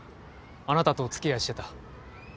あなたとお付き合いしてた。